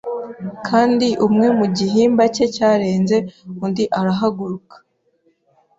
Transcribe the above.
Kandi umwe mu gihimba cye cyarenze undi arahaguruka